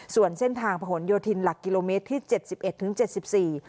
ส่วนเส้นทางผนโยธินหลักกิโลเมตรที่เจ็ดสิบเอ็ดถึงเจ็ดสิบสี่